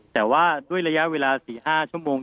แต่ว่าด้วยระยะเวลา๔๕ชั่วโมง